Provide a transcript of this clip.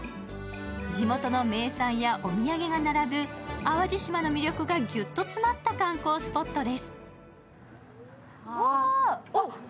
地元の名産やお土産が並ぶ淡路島の魅力がギュッと詰まった観光スポットです。